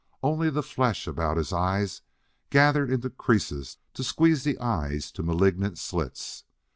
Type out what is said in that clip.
Only the flesh about his eyes gathered into creases to squeeze the eyes to malignant slits.